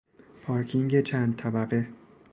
پارکینگ چند طبقه